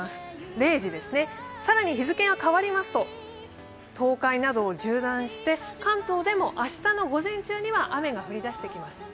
０時、更に日付が変わりますと東海などを縦断して、関東でも明日の午前中には雨が降り出してきます。